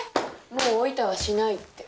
もうおイタはしないって。